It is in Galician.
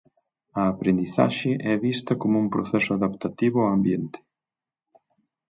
A aprendizaxe é vista como un proceso adaptativo ao ambiente.